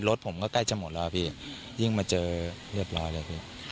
รถผมก็ใกล้จะหมดแล้วพี่ยิ่งมาเจอเรียบร้อยเลยพี่